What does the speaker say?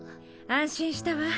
安心したわ。